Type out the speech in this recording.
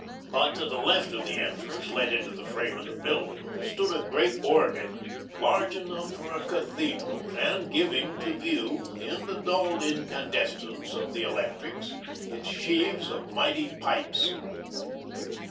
But to the left of the entrance, let into the frame of the building, stood a great organ, large enough for a cathedral, and giving to view, in the dulled incandescence of the electrics, its sheaves of mighty pipes.